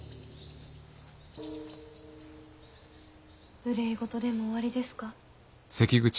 憂い事でもおありですか？